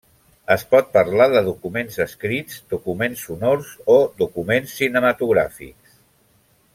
Es pot parlar de documents escrits, documents sonors, o documents cinematogràfics.